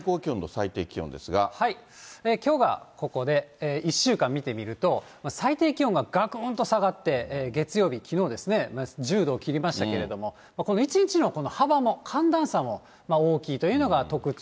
きょうがここで、１週間見てみると、最低気温ががくんと下がって、月曜日、きのうですね、１０度を切りましたけれども、この１日のこの幅も、寒暖差も大きいというのが特徴。